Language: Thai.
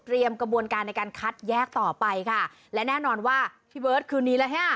กระบวนการในการคัดแยกต่อไปค่ะและแน่นอนว่าพี่เบิร์ตคืนนี้แล้วฮะ